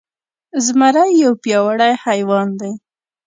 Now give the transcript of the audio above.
زمری يو پياوړی حيوان دی.